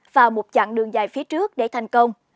vào một chặng đường dài phía trước để thành công